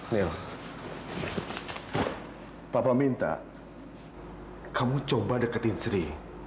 nih papa minta kamu coba deketin sri